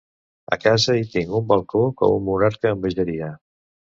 A casa hi tinc un balcó que un monarca envejaria